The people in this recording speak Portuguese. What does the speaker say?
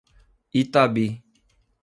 Itabi